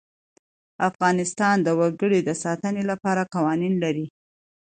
افغانستان د وګړي د ساتنې لپاره قوانین لري.